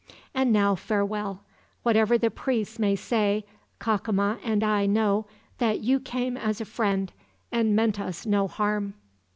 "And now, farewell. Whatever the priests may say, Cacama and I know that you came as a friend, and meant us no harm.